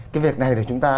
cái việc này thì chúng ta